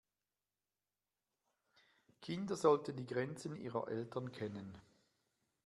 Kinder sollten die Grenzen ihrer Eltern kennen.